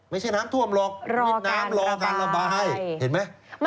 ไม่ใช่น้ำท่วมหรอกมิดน้ำรอการระบายเห็นไหม